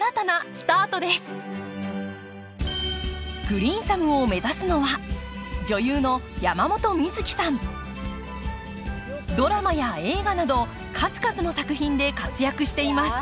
グリーンサムを目指すのはドラマや映画など数々の作品で活躍しています。